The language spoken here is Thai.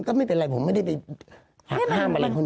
ก็ไม่เป็นไรผมไม่ได้ห้ามไปเลยคนเดี๋ยว